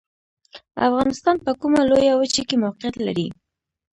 افغانستان په کومه لویه وچې کې موقعیت لري؟